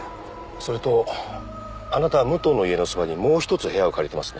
それとあなたは武藤の家のそばにもう一つ部屋を借りてますね。